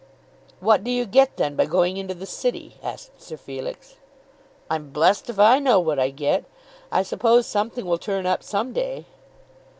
"What do you get then, by going into the city?" asked Sir Felix. "I'm blessed if I know what I get. I suppose something will turn up some day."